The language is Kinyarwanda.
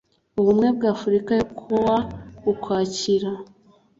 ubumwe bw afurika yo kuwa ukwakira